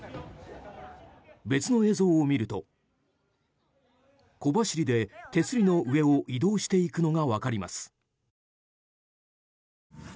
別の映像を見ると小走りで手すりの上を移動していくのが分かります。